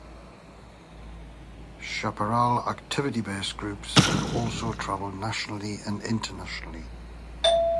Chaparral activity-based groups have also traveled nationally and internationally.